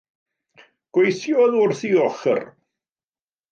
Gweithiodd wrth ei ochr.